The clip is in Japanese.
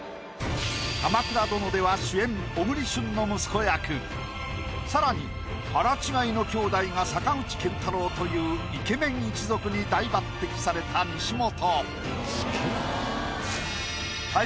「鎌倉殿」では更に腹違いの兄弟が坂口健太郎というイケメン一族に大抜擢された西本。